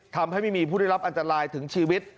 ทำให้ไม่มีผู้ได้รับอันตรายถึงชีวิต